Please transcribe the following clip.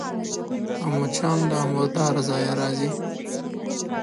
مچان له مرداره ځایه راځي